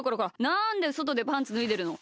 なんでそとでパンツぬいでるの！